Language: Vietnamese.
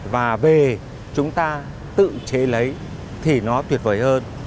và về chúng ta tự chế lấy thì nó tuyệt vời hơn